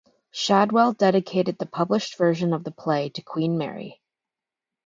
Shadwell dedicated the published version of the play to Queen Mary.